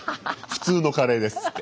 「普通のカレーです」っつって。